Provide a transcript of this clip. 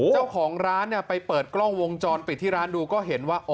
เจ้าของร้านเนี่ยไปเปิดกล้องวงจรไปที่ร้านดูก็เห็นว่าอ๋อ